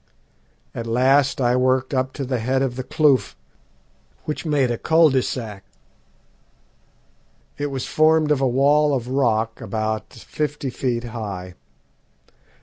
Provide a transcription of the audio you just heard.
"At last I worked up to the head of the kloof, which made a cul de sac. It was formed of a wall of rock about fifty feet high.